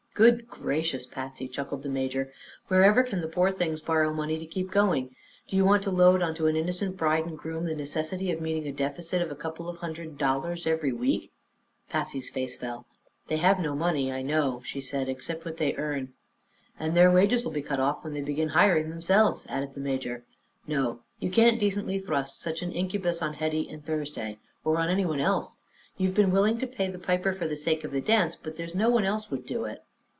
'" "Good gracious, Patsy!" chuckled the major, "wherever can the poor things borrow money to keep going? Do you want to load onto an innocent bride an' groom the necessity of meeting a deficit of a couple of hundred dollars every week?" Patsy's face fell. "They have no money, I know," she said, "except what they earn." "And their wages'll be cut off when they begin hiring themselves," added the major. "No; you can't decently thrust such an incubus on Hetty and Thursday or on anyone else. You've been willing to pay the piper for the sake of the dance, but no one else would do it."